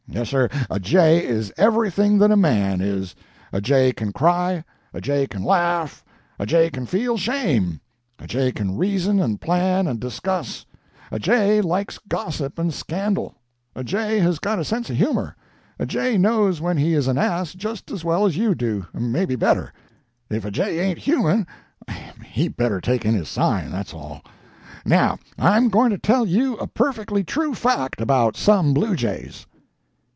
Yes, sir, a jay is everything that a man is. A jay can cry, a jay can laugh, a jay can feel shame, a jay can reason and plan and discuss, a jay likes gossip and scandal, a jay has got a sense of humor, a jay knows when he is an ass just as well as you do maybe better. If a jay ain't human, he better take in his sign, that's all. Now I'm going to tell you a perfectly true fact about some bluejays."